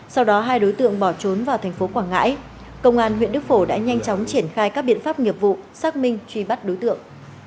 sau đó hai đối tượng bỏ trốn vào thành phố quảng ngãi công an huyện đức phổ đã nhanh chóng triển khai các biện pháp nghiệp vụ xác minh truy bắt đối tượng